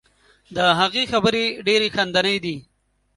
د هغې خبرې ډیرې خندنۍ دي.